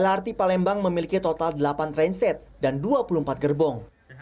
lrt palembang memiliki total delapan transit dan dua puluh empat gerbong